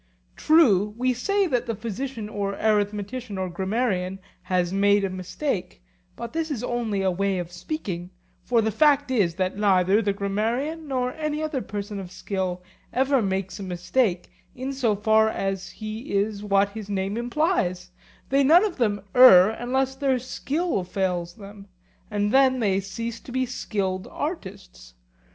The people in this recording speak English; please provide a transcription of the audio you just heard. True, we say that the physician or arithmetician or grammarian has made a mistake, but this is only a way of speaking; for the fact is that neither the grammarian nor any other person of skill ever makes a mistake in so far as he is what his name implies; they none of them err unless their skill fails them, and then they cease to be skilled artists.